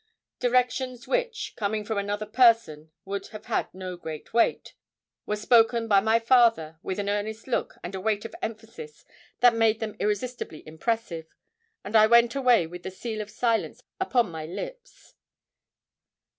Directions which, coming from another person would have had no great weight, were spoken by my father with an earnest look and a weight of emphasis that made them irresistibly impressive, and I went away with the seal of silence upon my lips.